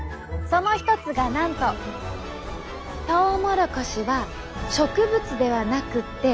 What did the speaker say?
その一つがなんとトウモロコシは植物ではなくって。